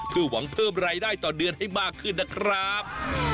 เพื่อหวังเพิ่มรายได้ต่อเดือนให้มากขึ้นนะครับ